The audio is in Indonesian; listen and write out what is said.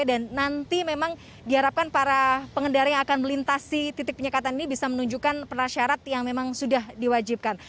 dan nanti memang diharapkan para pengendara yang akan melintasi titik penyekatan ini bisa menunjukkan perasyarat yang memang sudah diwajibkan